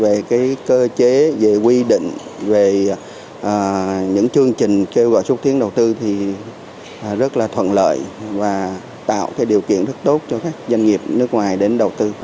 về cơ chế về quy định về những chương trình kêu gọi xúc tiến đầu tư thì rất là thuận lợi và tạo điều kiện rất tốt cho các doanh nghiệp nước ngoài đến đầu tư